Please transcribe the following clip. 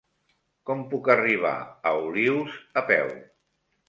Com puc arribar a Olius a peu?